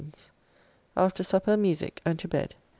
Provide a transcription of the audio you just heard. After supper musique, and to bed.